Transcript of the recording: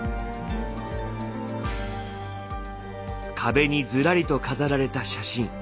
壁にずらりと飾られた写真。